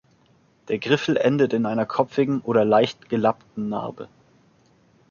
Der Griffel endet in einer kopfigen oder leicht gelappten Narbe.